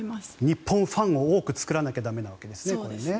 日本ファンを多く作らなきゃ駄目なわけですね。